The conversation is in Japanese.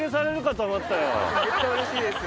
めっちゃうれしいです。